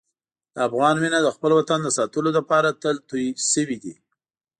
د افغان وینه د خپل وطن د ساتلو لپاره تل تویې شوې ده.